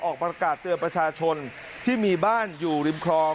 ออกประกาศเตือนประชาชนที่มีบ้านอยู่ริมคลอง